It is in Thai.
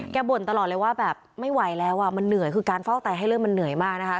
บ่นตลอดเลยว่าแบบไม่ไหวแล้วอ่ะมันเหนื่อยคือการเฝ้าไตให้เลือดมันเหนื่อยมากนะคะ